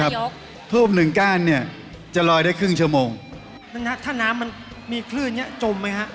แล้วถ้าน้ำมันมีคลื่นอย่างเนี้ยจมไหมครับ